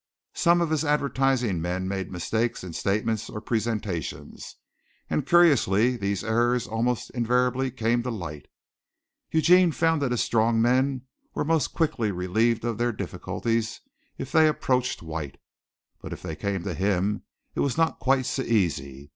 Some of his advertising men made mistakes in statement or presentation, and curiously these errors almost invariably came to light. Eugene found that his strong men were most quickly relieved of their difficulties if they approached White, but if they came to him it was not quite so easy.